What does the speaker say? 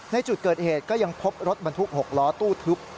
ในจุดเกิดเหตุก็ยังพบรถบรรทุก๖ล้อตู้ทึบ